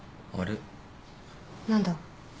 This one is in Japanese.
何だ。